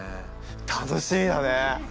楽しみだね！